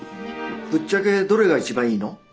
ぶっちゃけどれが一番いいの？